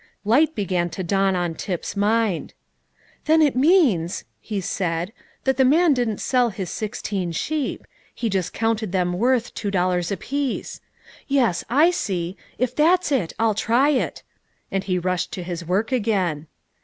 Light began to dawn on Tip's mind. "Then it means," he said, "that the man didn't sell his sixteen sheep; he just counted them worth two dollars apiece. Yes, I see; if that's it, I'll try it." And he rushed to his work again.